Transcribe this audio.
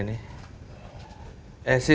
ini susah ini